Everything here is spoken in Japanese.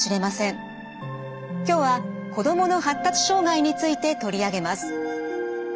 今日は子どもの発達障害について取り上げます。